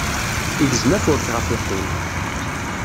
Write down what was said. Igzem afurk ɣef iqqim.